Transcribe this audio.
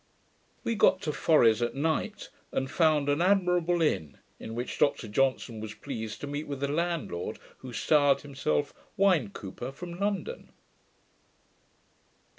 We got to Fores at night, and found an admirable inn, in which Dr Johnson was pleased to meet with a landlord who styled himself 'Wine Cooper, from London'.